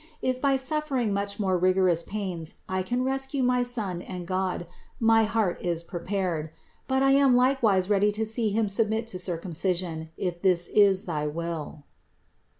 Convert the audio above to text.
If by suffering much more rigorous pains I can rescue my Son and God, my heart is prepared. But I am likewise ready to see Him submit to circum cision, if that is thy will."